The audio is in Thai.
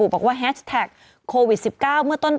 อืม